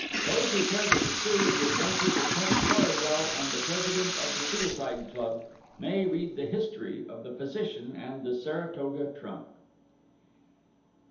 Those who care to pursue the adventures of Prince Florizel and the President of the Suicide Club, may read the History of the Physician and the Saratoga Trunk.